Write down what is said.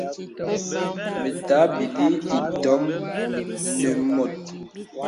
Mə tàbìlī itōm nə mùt.